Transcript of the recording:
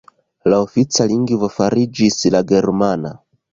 La ofica lingvo fariĝis la germana.